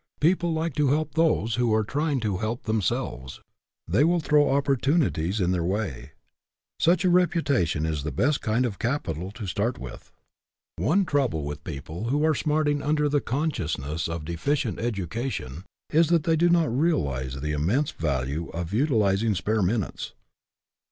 People like to help those who are trying to help them selves. They will throw opportunities in their way. Such a reputation is the best kind of capital to start with. One trouble with people who are smarting tinder the consciousness of deficient education is that they do not realize the immense value of utilizing spare minutes.